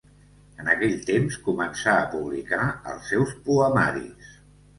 En aquell temps, començà a publicar els seus poemaris.